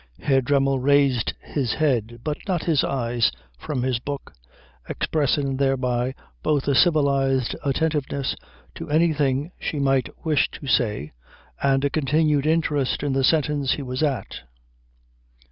Herr Dremmel raised his head but not his eyes from his book, expressing thereby both a civilised attentiveness to anything she might wish to say and a continued interest in the sentence he was at.